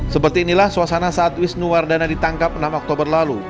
seperti inilah suasana saat wisnu wardana ditangkap enam oktober lalu